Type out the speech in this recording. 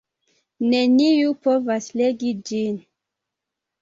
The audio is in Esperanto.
Neniu povas legi ĝin.